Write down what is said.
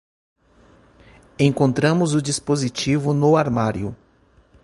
Encontramos o dispositivo no armário.